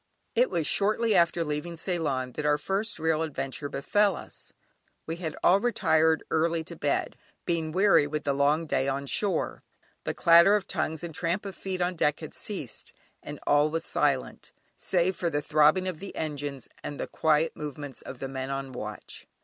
It was shortly after leaving Ceylon that our first real adventure befell us. We had all retired early to bed, being weary with the long day on shore; the clatter of tongues and tramp of feet on deck had ceased, and all was silent save for the throbbing of the engines, and the quiet movements of the men on watch.